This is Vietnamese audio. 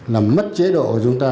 làm mất chế độ của chúng ta